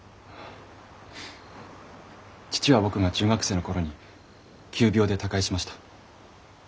父は僕が中学生の頃に急病で他界しました。